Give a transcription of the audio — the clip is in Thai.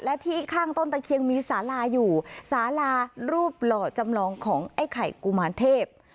และที่ข้างต้นตะเคียนมีสาลาอยู่สาลารูปหล่อจำลองของไอ้ไข่กุมารเทพ